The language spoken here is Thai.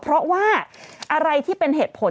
เพราะว่าอะไรที่เป็นเหตุผล